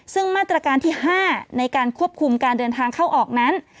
ซึ่งมาตรการที่๕ในการควบคุมการเดินทางเข้าออกนั้น